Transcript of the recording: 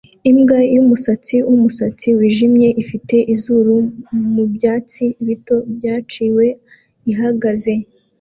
Imbwa yumusatsi wumusatsi wijimye ifite izuru mubyatsi bito byaciwe ihagaze